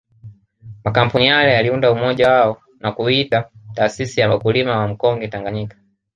Makampuni yale yaliunda umoja wao na kuuita taasisi ya wakulima wa mkonge Tanganyika